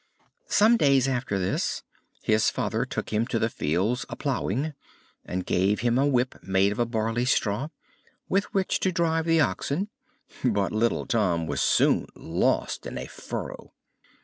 Some days after this, his father took him to the fields a ploughing, and gave him a whip, made of a barley straw, with which to drive the oxen; but little Tom was soon lost in a furrow.